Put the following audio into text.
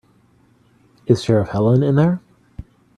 Is Sheriff Helen in there?